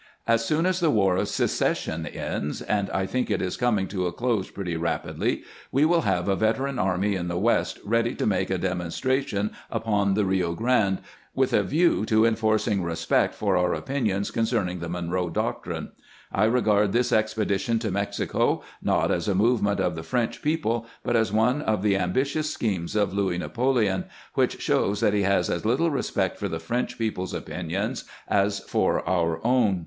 As soon as the war of secession ends, and I think it is coming to a close pretty rapidly, we will have a veteran army in the West ready to make a demonstration upon the Rio Grande with a view to enforcing respect for our opinions concerning the Monroe doctrine. I regard this expedition to Mexico not as a movement of the French people, but as one of the ambitious schemes of Louis Napoleon, which shows that he has as little respect for the French people's opinions as for our own.